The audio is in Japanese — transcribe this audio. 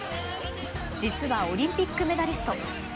実はオリンピックメダリスト。